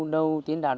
đâu tiến ra đó